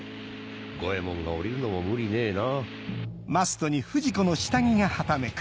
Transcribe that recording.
五ェ門が降りるのも無理ねえな。